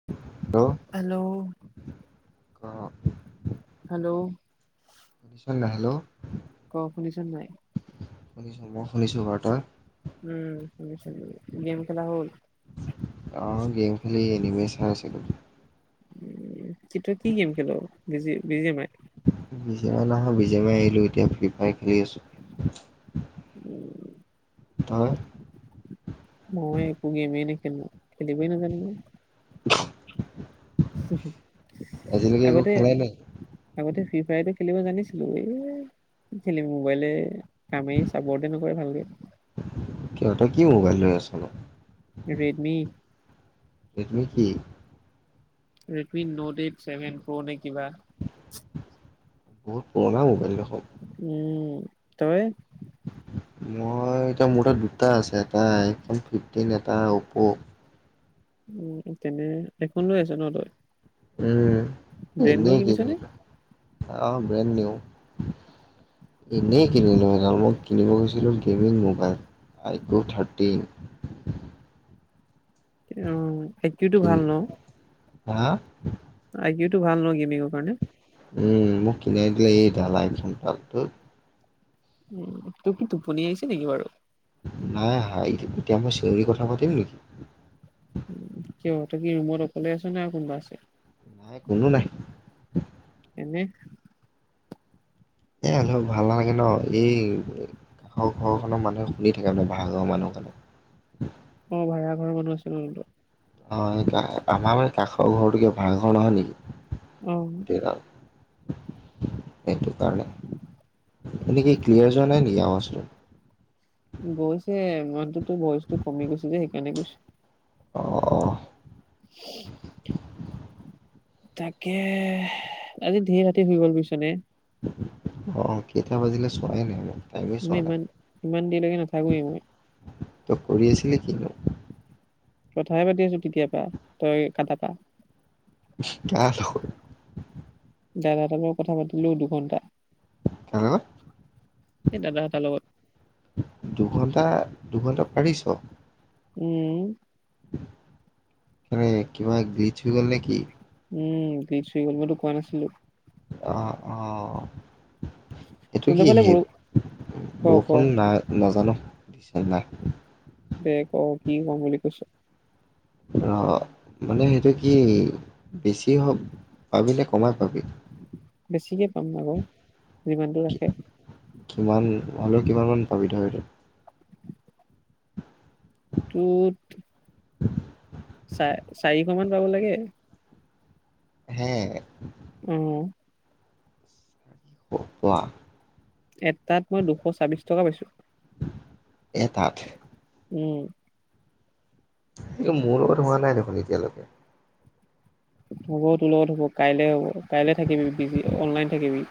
হ [unintelligible] hello. Hello. শুনিছ নে? হেল্ল ক শুনিছা নাই? শুনিছো মই শুনিছোঁ বাৰু, তই? উম শুনিছো। গেম খেলা হ'ল? অ গেম খেলি এনিমি চাই আছিলো। উ কি গেম খেল? বিজি বিজীয়েমাই? বিজেয়েমাই নহয় বিজেয়েমাই এৰিলো, এতিয়া ফ্ৰী ফায়াৰ খেলি আছো। উম। তই মই একো গেমেই নেখেলো, খেলিবই নাজানো মই। [unintelligible] আজিলৈকে একো আগতে খেলাই নাই আগতে ফ্ৰী ফায়াৰটো খেলিব জানিছিলো। এই খেলিম মোবাইলে কামেই চাপৰটেই নকৰে ভালকে। সিহঁততে কি মোবাইল লৈ আছে নু? ৰেডমি ৰেডম কি? Redmi note eight seven pro নে কিবা। বহুত পুৰণা মোবাইল দেখোন উম তই মই এতিয়া মোৰ তাত দুটা আছে এটা আইফন ফিফটিন এটা অপ' উম তেনে হেডফোন লৈ আছ ন তই উম ব্ৰেণ্ডনো এনেই কিনিছ নে? [unintelligible] আহ বেণ্ডনিউ। এনেই কিনিলো এই ডাল মই কিনিব গৈছিলোঁ গেমিং মোবাইল আইফোন' থাৰ্টিন অ সেইটোৱেটো কিন ভাল ন। হা। আইকিও টো ভাল নহ গেমিঙৰ কাৰণে। মোক কিনাই দিয়া এই ডালাল চম্পকটো। উম তোৰ কি টোপনি আহিছে নেকি বাৰু নাই আহা এতিয়া মই চিয়ৰিৰ কথা পাতিম নেকি। উ কিয় তুমি ৰুমত অকলে আছা নে আৰু কোনোবা আছে? নাই কোনো নাই এনেই এ হলেও ভাল নালাগে ন এই কাষৰ ঘৰখনৰ মানুহে শুনি থাকে মানে আগৰ মানুহ কালে অ ভাড়া ঘৰ মানুহ আছিল [unintelligible] অ সেইকেইটা আমাৰ মানে কাষৰ ঘৰটো কিবা ভাড়াঘৰ নহয় নেকি। উম। [unintelligible] সেইটো কাৰণে। এনে কি ক্লিয়াৰ যোৱা নাই নেকি আৱাজটো? গৈছে মাটতো ভইচটো কমি গৈছে যে সেইকাৰণে কৈছো। অ অ, উ [unintelligible] তাকে আজি ধেৰ ৰাতি হই গ'ল বুজিছ নে। অ কেইটা বাজিলে চোৱায়ে নাই ৰ মই ইমান ইমান দেৰিলৈকে নাথাকোয়ে মই। তই কৰি আছিলি কিনো? কথায়ে পাতি আছো তেতিয়া পা তই কাটা পা আহ শুও দাদা এটাৰ লগত কথা পাতিলো দুঘণ্টা কাৰ লগত এ দাদা এটা দুঘন্টা -দুঘন্টা পাৰিছ? উম। এনেই কিবা দি থৈ গ'ল নেকি? উম দি থৈ গ'ল, মই তোক কোৱা নাছিলো! অ অ। এইটো তহঁতৰ কি, ফালে বৰ ক ক বৰষুণ নাই নাজানো দিছে নাই! দে ক কি কম বুলি কৈছো অ, মানে সেইটো কি বেছি হওঁক পাবি নে কমাই পাবি? বেছিকে পাম আক। যিমানটো ৰাখে কিমান হ'লেও কিমান মান পাবি তহঁতি? তোট [unintelligible] চাই চাৰিশ মান পাব লাগে। হে উহ অ কোৱা? এটাত মই দুশ ছাব্বিশ টকা পাইছো। এটাত। উম। এই মোৰ লগত হোৱা নাই দেখোন এতিয়ালৈকে। হ'ব তোৰ লগত হ'ব কাইলে হ'ব কাই থাকিবি বিজি অনলাইন থাকিবি।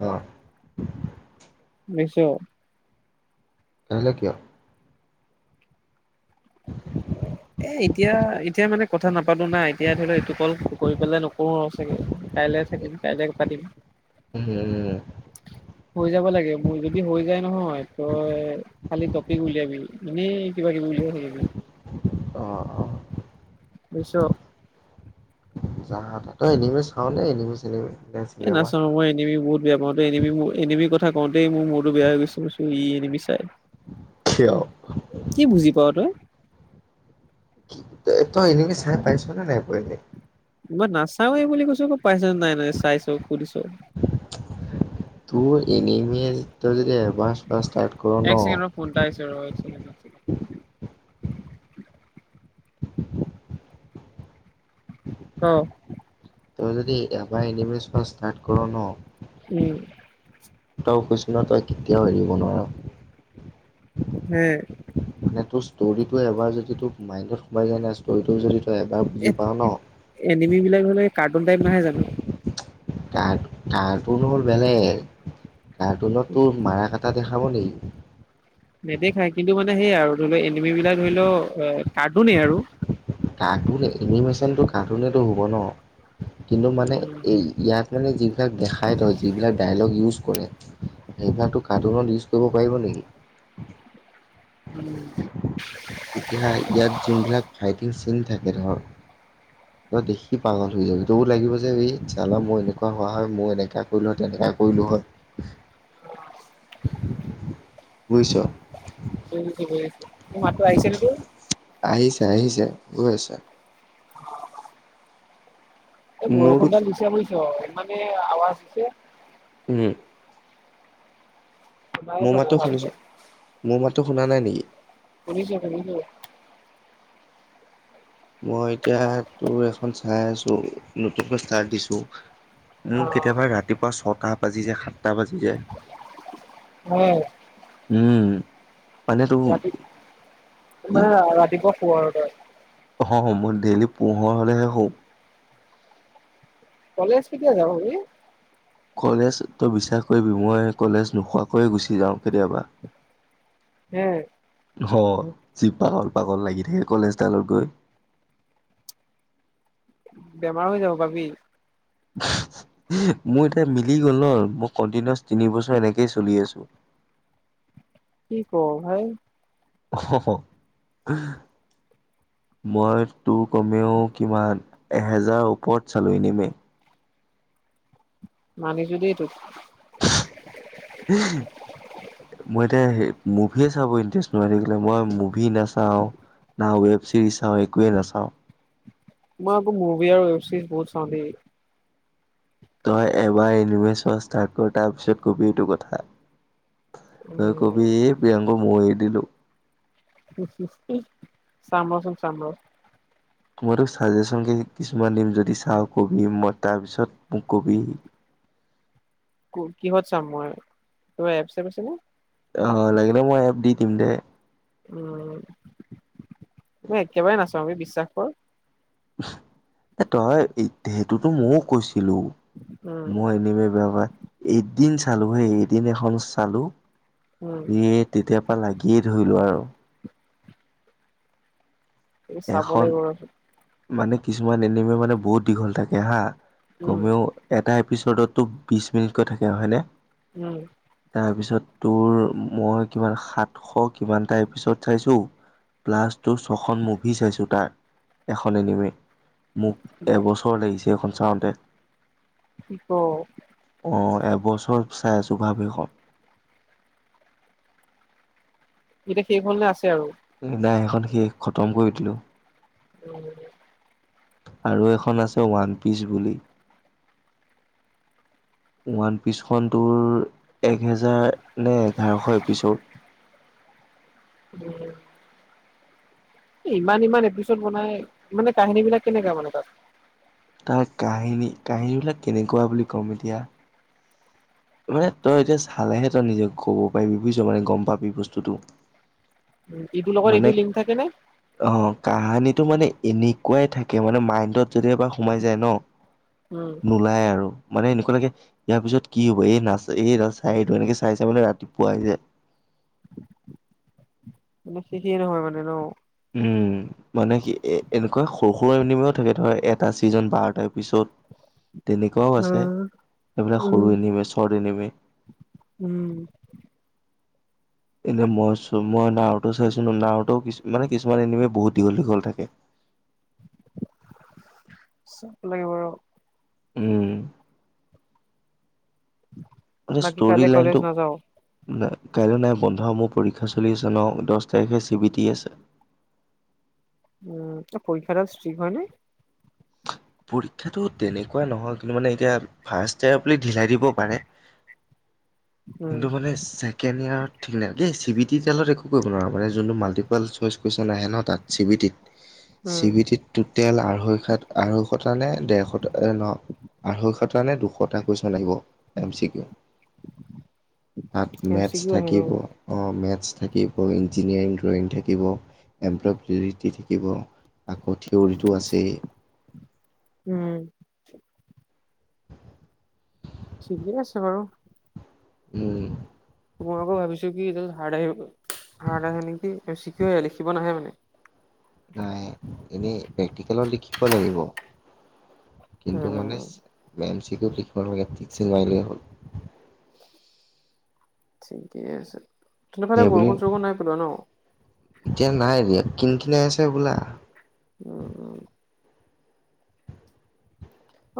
অ। শুনিছ। কেহেলে কিয়? এ এতিয়া এতিয়া মানে কথা নাপাতো না এতিয়া ধৰি লও এইটো কল কৰি পেলাই ন- পৌৰ চাগে কাইলে থাকিম কাইলে পাতিম। উম উম। হৈ যাব লাগে মোৰ যদি হৈ যায় নহয় তই খালি তপিক উলিয়াবি এনেই কিবা কিবি উলিয়াই থাকিবি। অ অ। বুজিছ। যাহ তই এনেমি চাওঁ নে এনেমি চেনেমি? এ নাচাও মই এনমি বহুত বেয়া পাওঁতে এনেমি মোৰ এনেমি কথা কওঁতেই মোৰ মোৰত বেয়া হৈ গৈছে ই এনেমি চাই। কিয়? কি বুজি পাও তই? তই এনিমি চাই পাইছ নে নাই পোৱা এনে? মই নাচাওৱে বুলি কৈছো, পাইছ নাই নাই চাইছ সুধিছ। তোৰ এনিমিয়ে তই যদি এবাৰ ফাষ্ট ষ্টাৰ্ট কৰ ন? ফোনটা আহিছে ৰ এক ছেকেণ্ড এক ছেকেণ্ড। ক? তই যদি এনিমে চোৱা ষ্টাৰ্ট কৰ ন। উম। তই কৈছো ন তই কেতিয়াও এৰিব নোৱাৰ। হে। মানে তোৰ ষ্টৰি এবাৰ যদি তোৰ মাইণ্ডত সোমাই যায় না ষ্টৰিটো যদি তই এবাৰ এ বুজি পাও ন। এনিমি বিলাক হলে, কাৰ্টুন টাইপ নহয় জানো? কাৰ কাৰ্টুন হল বেলেগ। কাৰ্টুনত তোৰ মাৰা কাটা দেখাব নেকি? নেদেখাই। কিন্তু মানে সেইয়া আৰু ধৰি ল এনিমি বিলাক ধৰি ল অ কাৰ্টুনেই আৰু। কাৰ্টুন এনিমেশচনটো কাৰ্টুনেটো হ'ব ন? কিন্তু মানে উম এই ইয়াত মানে যিবিলাক দেখাই তয়, যিবিলাক ডায়লগ ইউজ কৰে এইবিলাকতো কাৰ্টুনত ইউছ কৰিব পাৰিব নেকি? উম। ইতিহা ইয়াত যোনবিলাক ফাইটিং চিন থাকে ধৰ। [inaudible] তই দেখি পাগল হৈ যাবি তোকো লাগিব যে এই চালা মই এনেকুৱা হোৱা হয়, মই এনেকা কৰিলো হয়, তেনেকা কৰিলো হয়। [inaudible] বুইছ। বুজিছো বুজিছো। মোৰ মাতটো আহিছেনে তোৰ? আহিছে আহিছে, গৈ আছে। [unintelligible] এই মোৰতো বৰষুণডাল দিছে বুইছ ইমানে আৱাজ দিছে। উম। শুনাই মোৰ পোৱা নাই মাতটো শুনিছ, ভালকে মোৰ মাতটো শুনা নাই নিকি? শুনিছোঁ শুনিছোঁ। মই এতিয়া তো এখন চাই আছো নতুনকৈ ষ্টাৰ্ত দিছো। অ মোৰ কেতিয়াবা ৰাতিপুৱা ছটা বাজি যায়, সাতটা বাজি যায়। অ উম। মানে তোৰ ৰাতি ইমা ৰাতিপুৱা শুৱ আৰু তই। অহ হ মই ডেইলি পোহৰ হ'লেহে শু। কলেজ কেতিয়া যাও হে? কলেজ তই বিশ্বাস কৰিবি মই কলেজ নোশুৱাকৈয়ে গুচি যাওঁ কেতিয়াবা। হুওম। অ যি পাগল পাগল লাগি থাকে কলেজ ডালত গৈ। বেমাৰ হৈ যাব পাবি। মোৰ এতিয়া মিলি গ'ল ন। মই কন্টিনোৱাছ তিনি বছৰ এনেকেই চলি আছো। কি ক ভাই? অহঅ [unintelligible] মই তোৰ কমেও কিমান এহেজাৰ ওপৰত চালোঁ এনিমে। মানিছো দে তোক। [unintelligible] মই এতিয়া সেই মুভিয়ে চাব ইণ্টাৰেষ্ট নোহোৱা হৈ থাকিলে। মই মুভি নাচাওঁ। না ৱেব চিৰিজ চাও একোৱেই নাচাও। মই আকৌ মুভি আৰু ৱেবচিৰিজ বহুত চাও দেই। তই এবাৰ এনিমি চোৱা ষ্টাৰ্ট কৰ। তাৰ পিছত কবি এইটো কথা। তই উম কবি এই প্ৰিয়ংক মই এৰি দিলো। চাম ৰ চোন চাম ৰ মই তোক ছাজেশ্যন কি কিছুমান দিম যদি চাওঁ কবি মই তাৰপিছত মোক কবি কিহত চাম মই কিবা এপ চেপ আছে নে? অ লাগিলে মই এপ দি দিম দে। উম মই একেবাৰে নাচাও এ বিশ্বাস কৰ। এ তই এই সেইটোতো ময়ো কৈছিলো। উম মই এনিমে বেয়া পাও এদিন চালো হে, এদিন এখন চালো। উম য়ে তেতিয়া পা লাগিয়ে ধৰিলো আৰু। চাব এখন লাগিব ৰচোন মানে কিছুমান এনিমে মানে বহুত দীঘল থাকে হা। উম কমেও এটা এপিছডতটো বিশ মিনিটকৈ থাকে হয়নে উম তাৰপিছত তোৰ মই কিমান সাতশ কিমানটা এপিছড চাইছো প্লাছ তোৰ ছখন মুভি চাইছো তাৰ এখন এনিমি মোক এবছ চৰ লাগিছে এখন চাওঁতে কি কঅ অঁ এবছৰ চাই আছো ভাব এখ এতিয়া শেষ হল নে আছে আৰু হুম নাই সেইখন শেষ খতম কৰি দিলো উম আৰু এখন আছে ওৱান পিচ বুলি ওৱান পিচখন তোৰ এক হেজাৰ নে এঘাৰশ এপিছড উম ইমান ইমান এপিচদ বনাই মানে কাহিনী বিলাক কেনেকা মানে তাত তাৰ কাহিনী কাহিনীবিলাক কেনেকুৱা বুলি ক'ম এতিয়া মানে তই এতিয়া চালেহে তই নিজে ক'ব পাৰি বুজিছ মানে গম পাবি বস্তুতটো। ইটোৰ লগত এইটো লিংক থাকে নে? অ' কাহানীটো মানে এনেকুৱাই থাকে মানে মাইণ্ডত যদি এবাৰ সোমাই যায় ন' [inaudible] নোলায় আৰু। মানে এনেকুৱা লাগে ইয়াৰ পিছত কি হ'ব এই নাচ, এই চাইটো এনেকে চাই চাই মানে ৰাতিপুৱাই যায়। মানে শেষেই নহয় মানে ন' উম মানে কি এ এনেকুৱা সৰু সৰু [unintelligible] থাকে ধৰ এটা ছিজন বাৰটাৰ পিছত তেনেকুৱাও আছে উম এইবিলাক উম সৰু এনিমে চৰ্ট এনিমে উম, এনেই মই চ মই নাৱটো চাইছোঁ নাৱটো মানে কিছুমান এনেমে বহুত দীঘল দীঘল থাকে। চাব লাগিব ৰ ' উম। বাকি কাইলে কলেজ নাযাৱ? নাই কাইলৈ নাই বন্ধ মোৰ পৰীক্ষা চলি আছে ন' দহ তাৰিখে চি বি টি আছে। উম পৰীক্ষা দা স্ত্ৰিক হয়নে? পৰীক্ষাটো তেনেকুৱা নহয় কিন্তু মানে এতিয়া ফাৰ্ষ্ট ইয়াৰ বুলি ঢিলাই দিব পাৰে। উম কিন্তু মানে চেক কেনিয়াৰ ঠিক নাই দেই চি বি টি তেলত একো কৰিব নোৱাৰোঁ মানে যোনটো মাল্টিপাল চইচ কুৱেশ্যন আহে ন তাত চি বি টিত। চি উম বি টিত টুটেল আঢ়ৈ সাত আঢ়ৈশটা নে ডেৰশ ন? আঢ়ৈশ টা নে দুশ টা কুয়েচন আহিব এম চিকিউ তাত এম চি মেটচ কিউ আহে ন থাকিব অ' মেটচ থাকিব ইঞ্জিনিয়াৰিং ড্ৰয়িং থাকিব। এমপ্লবিৰিটি থাকিব আকৌ থিয়ৰিটো আছেই। উম। ঠিকে আছে বাৰু। উম। মই আকৌ ভাবিছো কি এ হাৰ্ড আহিব হাৰ্ড আহে নেকি বেছিকে লিখিব নাহে মানে। নাই এনেই প্ৰেক্টিকেলত লিখিব লাগিব। কিন্তু মানে উম এম চি কিউত লিখিব নালাগে টিক চিন মাৰিলে হ'ল। ঠিকে আছে, তহতৰফালে সেইবুলি বৰষুণ চৰষুণ নাই পেলোৱা ন' এতিয়া নাই দিয়া কিন কিনাই আছে হবলা। উম উ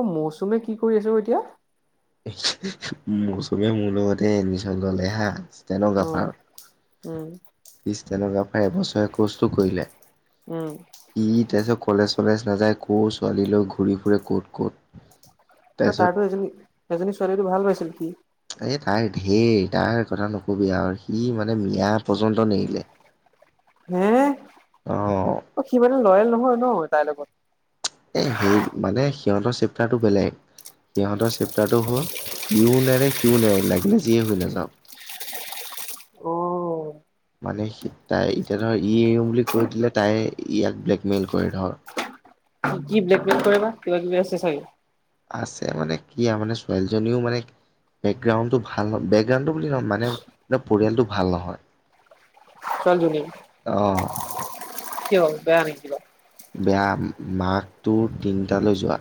অ' মৌচুমে কি কৰি আছো এতিয়া? মৌচুমীয়ে মোৰ লগতে এডমিশন ললে হা অ ষ্টেনগ্ৰাফাৰ উম ষ্টেনগ্ৰাফাৰ এবছৰীয়া কৰ্চটো কৰিলে। উম। সি তাৰপিছত কলেজ চলেজ নাযায় কৰ ছোৱালীলৈ ঘূৰি ফুৰে ক'ত ক'ত। তাৰপিছত তাৰতো এজনী এজনী ছোৱালীটো ভাল পাইছিলে সি। এই তাৰ ঢেৰ তাৰ কথা নকবি আৰু সি মানে মিয়া পৰ্যন্ত নেৰিলে। হে অ' অ' সি মানে লয়েল নহয় ন তাইৰ লগত? এই সেই মানে সিহঁতৰ চেপটাৰটো বেলেগ। সিহঁতৰ চেপ্টাৰটো হ'ল ইও নেৰে সিও নেৰে লাগিল যিয়ে হৈ নাযাওঁক। অ মানে তাই এতিয়া ধৰ ই বুলি কৈ দিলে তাই ইয়াক ব্লেকমেইল কৰে ধৰ। কি ব্লেকমেইল কৰে বা কিবা কিবি আছে চাগে। আছে মানে কি মানে ছোৱালীজনীও মানে বেকগ্ৰাউণ্ডটো ভাল বেকগ্ৰাউনটো বুলি নহয় মানে পৰিয়ালটো ভাল নহয়। ছোৱালীজনীৰ। অঁ। কিয় বেয়া নেকি কিবা? বেয়া মাক তোৰ তিনিটালৈ যোৱা।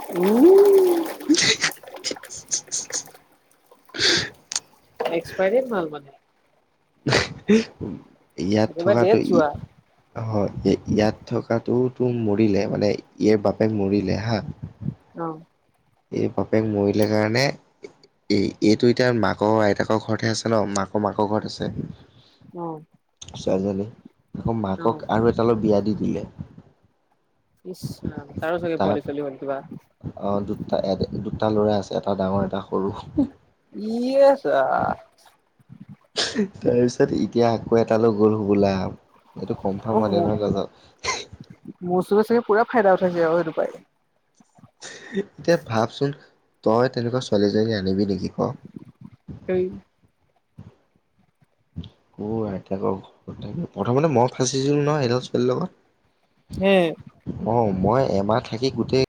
উম। এক্সপাইৰ মাল মানে। ইয়াত একেবাৰে থকাটো ডেট ই যোৱা হয় ইয়াত থকাটো তো মৰিলে মানে ইয়াৰ বাপেক মৰিলে হা। অ। এই বাপেক মৰিলে কাৰণে এই এইটো এতিয়া মাকৰ আইতাকৰ ঘৰতহে আছে ন মাকৰ মাকৰ ঘৰত আছে। উম। ছোৱালী আকৌ মাকক আৰু এটালে বিয়া দি দিলে। ইচ্ ৰাম তাৰো চাগে তাত পোৱলি চোৱালি হ'ল কিবা। অ দুটা দুটা ল'ৰা আছে এটা ডাঙৰ এটা সৰু। ইয়ে ছা। তাৰপিছত এতিয়া আকৌ এটালৈ গ'ল বোলা এইটো কমফাৰ্ম হয় নে নহয় নাজানো। মৌচুমে চাগে পুৰা ফাইদা উঠাইছে আৰু সেইটো পাই। এতিয়া ভাবচোন তই তেনেকুৱা ছোৱালীজনী আনিবি নেকি ক। হেই। আইতাকৰ ঘৰ থ প্ৰথমতে মই ফাচিছিলোঁ নহয় সেইডাল ছোৱালী লগত। হে! অ মই এমাহ থাকি গোটেই